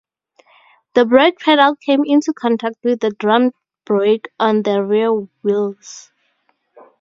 The brake pedal came into contact with the Drum brake on the rear wheels.